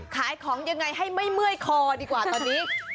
ขายของยังไงให้ไม่เมื่อยคอดีกว่าตอนนี้